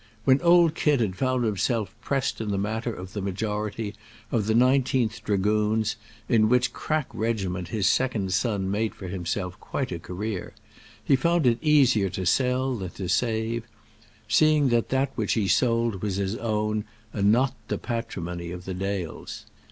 When old Kit had found himself pressed in that matter of the majority of the Nineteenth Dragoons, in which crack regiment his second son made for himself quite a career, he found it easier to sell than to save seeing that that which he sold was his own and not the patrimony of the Dales.